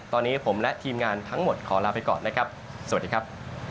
ตอนนี้ผมและทีมงานทั้งหมดขอลาไปก่อนนะครับสวัสดีครับ